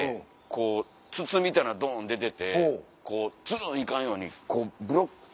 こう筒みたいなのドン出ててツルン行かんようにこうブロック。